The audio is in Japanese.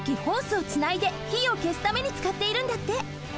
ホースをつないでひをけすためにつかっているんだって。